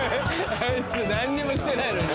あいつ何にもしてないのに。